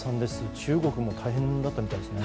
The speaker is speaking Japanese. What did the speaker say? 中国も大変だったみたいですね。